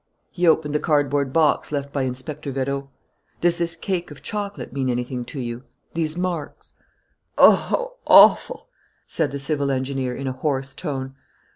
He opened the cardboard box left by Inspector Vérot. "Does this cake of chocolate mean anything to you? These marks?" "Oh, how awful!" said the civil engineer, in a hoarse tone.